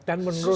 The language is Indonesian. dan menurut saya